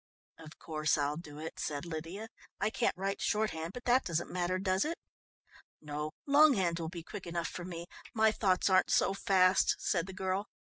"Of course I'll do it," said Lydia. "I can't write shorthand, but that doesn't matter, does it?" "No, longhand will be quick enough for me. My thoughts aren't so fast," said the girl.